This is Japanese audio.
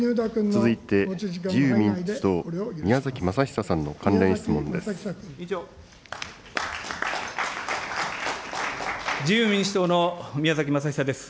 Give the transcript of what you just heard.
続いて、自由民主党、宮崎政久さんの関連質問です。